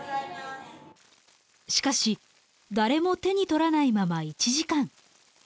しかし誰も手に取らないまま１時間。